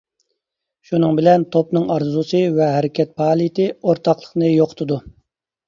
شۇنىڭ بىلەن توپنىڭ ئارزۇسى ۋە ھەرىكەت-پائالىيىتى ئورتاقلىقنى يوقىتىدۇ.